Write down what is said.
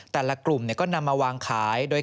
แต่ละกลุ่มก็นำมาวางขาย